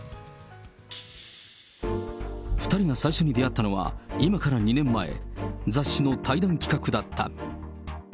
２人が最初に出会ったのは、今から２年前、雑誌の対談企画だった。